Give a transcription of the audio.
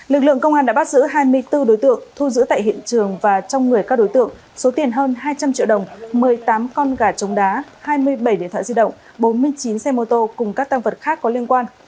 lực lượng công an đã bắt giữ hai mươi bốn đối tượng thu giữ tại hiện trường và trong người các đối tượng số tiền hơn hai trăm linh triệu đồng một mươi tám con gà trống đá hai mươi bảy điện thoại di động bốn mươi chín xe mô tô cùng các tăng vật khác có liên quan